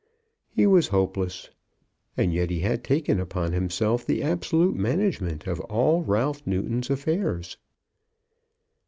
He was hopeless. And yet he had taken upon himself the absolute management of all Ralph Newton's affairs!